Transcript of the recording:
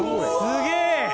すげえ！